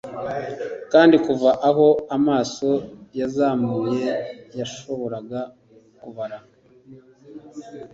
Kandi kuva aho amaso yazamuye yashoboraga kubara